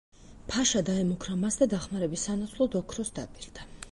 ფაშა დაემუქრა მას და დახმარების სანაცვლოდ ოქროს დაპირდა.